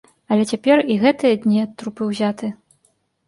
Але цяпер і гэтыя дні ад трупы ўзяты.